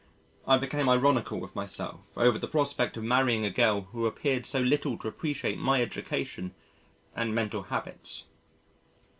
I became ironical with myself over the prospect of marrying a girl who appeared so little to appreciate my education and mental habits.